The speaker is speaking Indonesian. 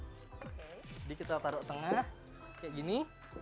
oke jadi kita taruh tengah kayak gini